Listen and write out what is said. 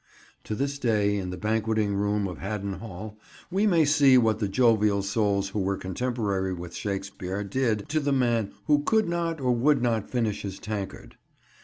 To this day, in the banqueting room of Haddon Hall, we may see what the jovial souls who were contemporary with Shakespeare did to the man who could not or would not finish his tankard.